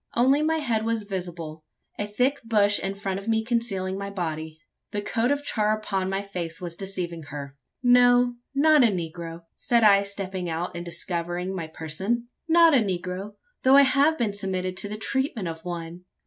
Only my head was visible a thick bush in front of me concealing my body. The coat of char upon my face was deceiving her. "No, not a negro," said I, stepping out and discovering my person "not a negro, though I have been submitted to the treatment of one."